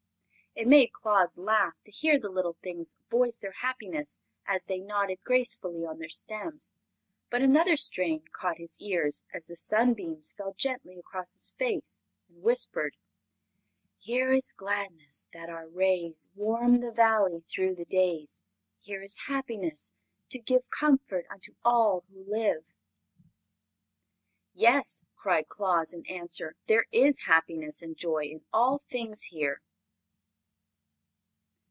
It made Claus laugh to hear the little things voice their happiness as they nodded gracefully on their stems. But another strain caught his ear as the sunbeams fell gently across his face and whispered: "Here is gladness, that our rays Warm the valley through the days; Here is happiness, to give Comfort unto all who live!" "Yes!" cried Claus in answer, "there is happiness and joy in all things here.